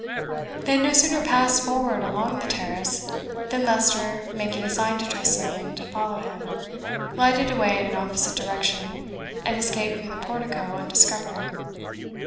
They had no sooner passed forward along the terrace, than Leicester, making a sign to Tressilian to follow him, glided away in an opposite direction, and escaped through the portico undiscovered.